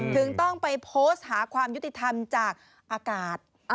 ถึงต้องไปโพสต์หาความยุติธรรมจากอากาศ